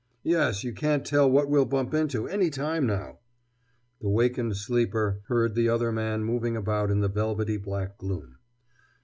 "Yes, you can't tell what we'll bump into, any time now!" The wakened sleeper heard the other man moving about in the velvety black gloom.